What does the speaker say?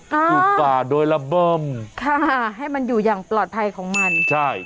ถูกป่าโดยระเบิ้มค่ะให้มันอยู่อย่างปลอดภัยของมันใช่